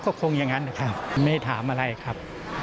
ก็คงอย่างนั้นนะครับไม่ได้ถามอะไรครับ